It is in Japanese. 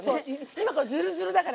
今これズルズルだからね。